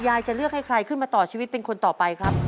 จะเลือกให้ใครขึ้นมาต่อชีวิตเป็นคนต่อไปครับ